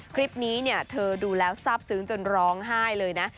คลิปนี้เธอดูแล้วทราบซึ้งจนร้องไห้เลยนะ